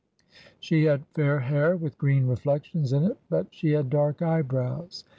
"She had fair hair, with green reflections in it; but she had dark eyebrows.